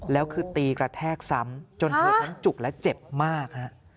แล้วคือตีกระแทกซ้ำจนเธอทั้งจุกและเจ็บมากฮะ